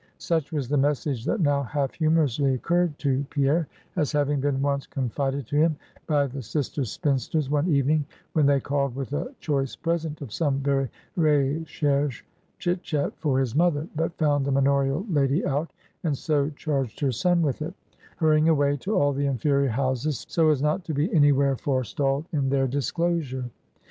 Such was the message that now half humorously occurred to Pierre, as having been once confided to him by the sister spinsters, one evening when they called with a choice present of some very recherche chit chat for his mother; but found the manorial lady out; and so charged her son with it; hurrying away to all the inferior houses, so as not to be anywhere forestalled in their disclosure.